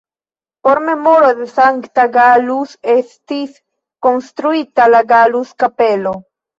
Por memoro al Sankta Gallus estis konstruita la Gallus-Kapelo.